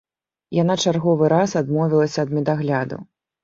Яна чарговы раз адмовілася ад медагляду.